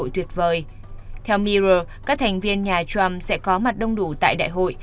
theo mirror các thành viên nhà trump sẽ có mặt đông đủ tại đại hội